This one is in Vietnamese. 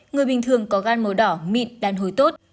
người bình thường có gan màu đỏ mịn đàn hồi tốt